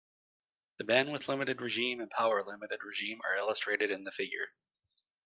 The bandwidth-limited regime and power-limited regime are illustrated in the figure.